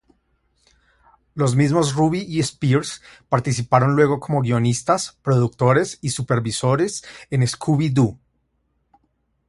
Los mismos Ruby y Spears participaron luego como guionistas, productores y supervisores en "Scooby-Doo!